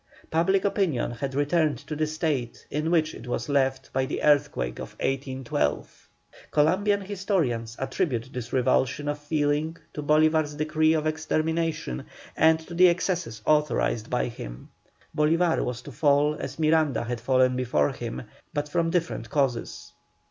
Public opinion had returned to the state in which it was left by the earthquake of 1812. Columbian historians attribute this revulsion of feeling to Bolívar's decree of extermination, and to the excesses authorized by him. Bolívar was to fall as Miranda had fallen before him, but from different causes.